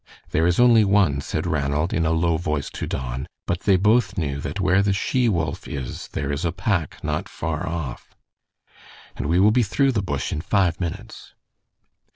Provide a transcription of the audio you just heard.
"There is only one," said Ranald in a low voice to Don, but they both knew that where the she wolf is there is a pack not far off. "And we will be through the bush in five minutes."